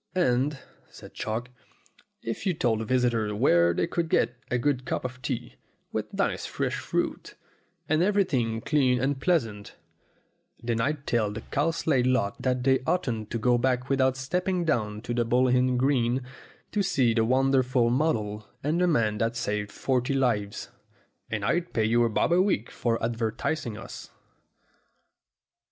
"And," said Chalk, "if you told visitors where they could get a good cup of tea, with nice fresh fruit, and everything clean and pleasant, then I'd tell the Cow slade lot that they oughtn't to go back without stepping down to the Bull Inn green, to see the wonderful model and the man that saved forty lives. And I'd pay you a bob a week for advertising us."